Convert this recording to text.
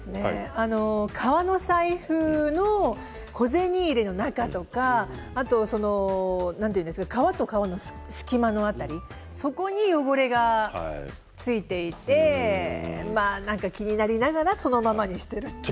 革の財布の小銭入れの中とか革と革の隙間の辺りそこに汚れが付いてなんか気になりながらそのままにしているというか。